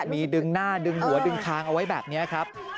มีดึงหน้าดึงหัวดึงคางเอาไว้แบบนี้ครับ